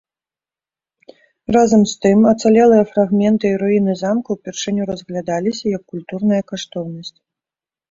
Разам з тым ацалелыя фрагменты і руіны замка ўпершыню разглядаліся як культурная каштоўнасць.